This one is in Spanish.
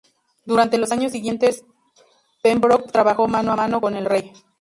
Durante los años siguientes, Pembroke trabajó mano a mano con el rey.